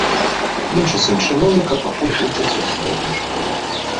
Меншы сын чыноўніка пакуль вучыцца ў сярэдняй школе.